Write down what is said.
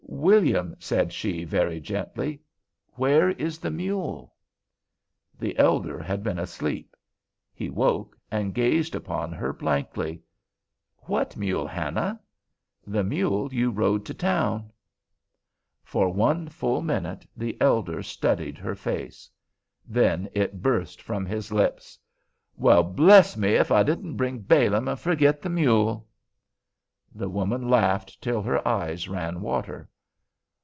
"William," said she, very gently, "where is the mule?" The elder had been asleep. He woke and gazed upon her blankly. "What mule, Hannah?" "The mule you rode to town." For one full minute the elder studied her face. Then it burst from his lips: "Well, bless me! if I didn't bring Balaam and forgit the mule!" The woman laughed till her eyes ran water.